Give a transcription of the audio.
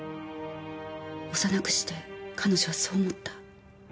幼くして彼女はそう思った。